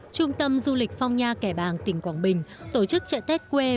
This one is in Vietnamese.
trung tâm du lịch phong nha kẻ bàng tỉnh quảng bình tổ chức chợ tết quê